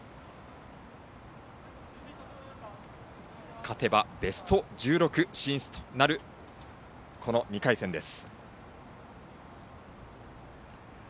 勝てばベスト１６進出となるこの２回戦です。